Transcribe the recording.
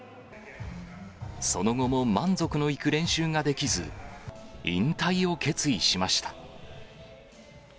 その後も満足のいく練習ができず、引退を決意しました。